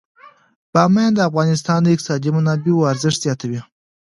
بامیان د افغانستان د اقتصادي منابعو ارزښت زیاتوي.